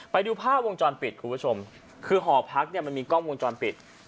ไปดูภาพวงจรปิดคุณผู้ชมคือหอพักเนี่ยมันมีกล้องวงจรปิด